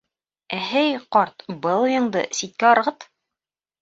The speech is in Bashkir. Эһей, ҡарт, был уйыңды ситкә ырғыт.